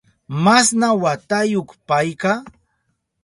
¿Masna watayuta payka?